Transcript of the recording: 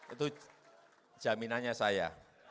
itu jaminannya saya